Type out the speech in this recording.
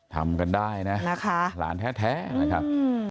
ทำกันได้นะนะคะหลานแท้นะครับ